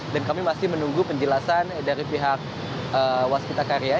dan kami masih menunggu penjelasan dari pihak waspita karya